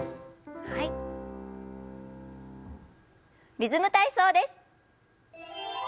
「リズム体操」です。